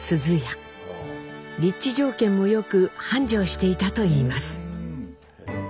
立地条件も良く繁盛していたと言います。